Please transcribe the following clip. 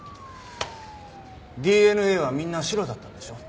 ＤＮＡはみんなシロだったんでしょ？